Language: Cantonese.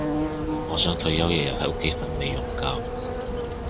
我想退休日日喺屋企瞓美容覺